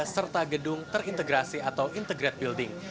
serta gedung terintegrasi atau integrate building